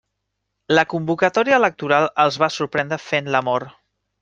La convocatòria electoral els va sorprendre fent l'amor.